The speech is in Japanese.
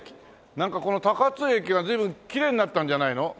なんかこの高津駅は随分きれいになったんじゃないの？